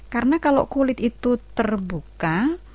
karena kalau kulit itu terbuka